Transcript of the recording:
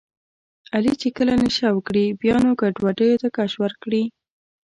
علي چې کله نشه وکړي بیا نو ګډوډو ته کش ورکړي.